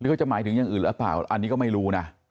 เขาจะหมายถึงอย่างอื่นหรือเปล่าอันนี้ก็ไม่รู้นะ